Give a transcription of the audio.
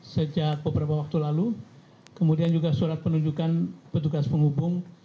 sejak beberapa waktu lalu kemudian juga surat penunjukan petugas penghubung